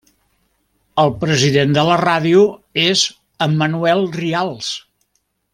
El president de la ràdio és Emmanuel Rials.